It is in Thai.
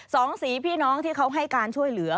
สองสีพี่น้องที่เขาให้การช่วยเหลือ